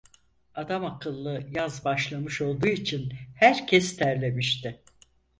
Adamakıllı yaz başlamış olduğu için, herkes terlemişti.